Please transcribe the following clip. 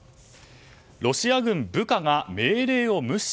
ロシア軍部下が命令を無視。